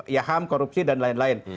ya ham korupsi dan lain lain